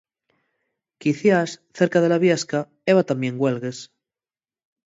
Quiciás, cerca de la viesca, heba tamién güelgues.